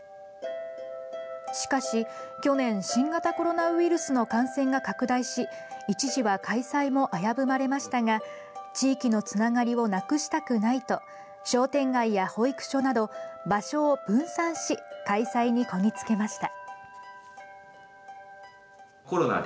しかし、去年新型コロナウイルスの感染が拡大し一時は開催も危ぶまれましたが地域のつながりをなくしたくないと商店街や保育所など場所を分散し開催にこぎつけました。